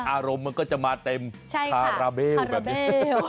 อารมณ์มันก็จะมาเต็มคาราเบลแบบนี้